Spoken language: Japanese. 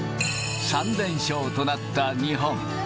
３連勝となった日本。